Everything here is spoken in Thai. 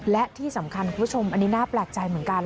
และที่สำคัญคุณผู้ชมอันนี้น่าแปลกใจเหมือนกัน